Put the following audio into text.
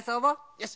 よし。